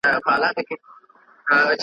ایا د هرات حاکم له شاه شجاع نه ویره لري؟